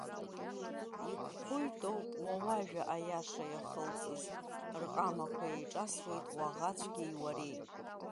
Иқәԥоит ауп уа уажәа, аиаша иахылҵыз, рҟамақәа еиҿасуеит уаӷа цәгьеи уареи.